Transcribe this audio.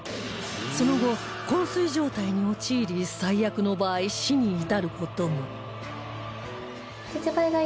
その後こん睡状態に陥り最悪の場合死に至る事も